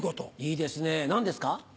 いいですね何ですか？